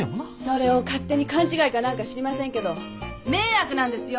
それを勝手に勘違いかなんか知りませんけど迷惑なんですよ！